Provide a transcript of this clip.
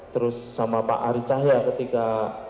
terus sama pak ari cahya ketika